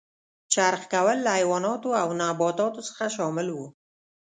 چرخ کول له حیواناتو او نباتاتو څخه شامل و.